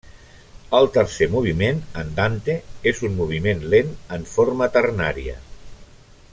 El tercer moviment, Andante, és un moviment lent en forma ternària.